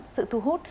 sự thu hút